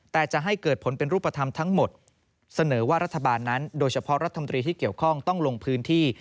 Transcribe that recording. แต่จะให้เกิดผลเป็นรูปธรรมทั้งหมดเสนอว่ารัฐบาลนั้นโดยเฉพาะรัฐมนตรีที่เกี่ยวข้องต้องลงพื้นที่